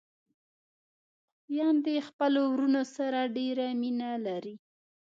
خويندې خپلو وروڼو سره ډېره مينه لري